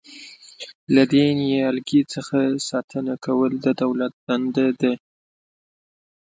له دې نیالګي څخه ساتنه کول د دولت دنده ده.